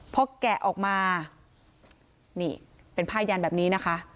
พอแกะออกมานี่เป็นผ้ายันแบบนี้นะคะ